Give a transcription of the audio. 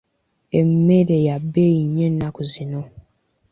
Emmere ya bbeeyi nnyo nnaku zino.